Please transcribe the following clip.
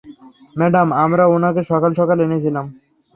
Madam, আমরা উনাকে সকাল সকাল এনেছিলাম।